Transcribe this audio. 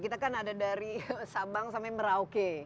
kita kan ada dari sabang sampai merauke